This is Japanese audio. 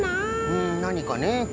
うんなにかね。